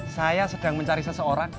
saya sedang mencari seseorang